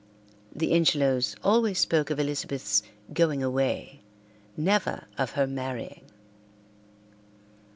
The Ingelows always spoke of Elizabeth's going away, never of her marrying.